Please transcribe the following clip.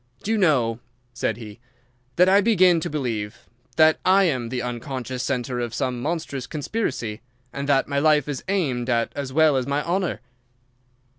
"Do you know," said he, "that I begin to believe that I am the unconscious centre of some monstrous conspiracy, and that my life is aimed at as well as my honour?"